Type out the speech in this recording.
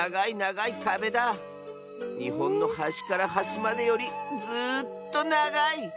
にほんのはしからはしまでよりずっとながい！